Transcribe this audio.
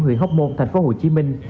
huyện hóc môn tp hcm